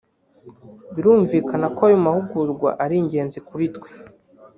birumvikana ko aya mahugurwa ari ingenzi kuri twe